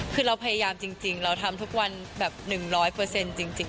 คือเราพยายามจริงเราทำทุกวันแบบ๑๐๐จริง